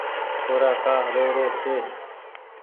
ڇورآ ڪآ رو رو ڇي